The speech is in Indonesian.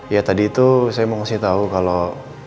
ya tadi itu saya mau kasih tahu kalau